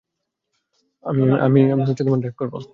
আমি-আমি drive করব।